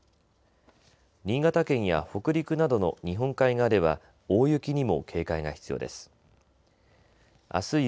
新潟県や北陸などの日本海側では大雪にも警戒が必要です。